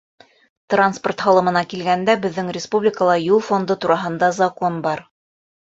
Транспорт һалымына килгәндә, беҙҙең республикала Юл фонды тураһында закон бар.